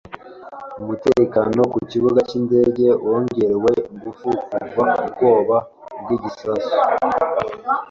Umutekano ku kibuga cy’indege wongerewe ingufu kuva ubwoba bw’igisasu.